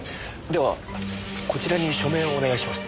ではこちらに署名をお願いします。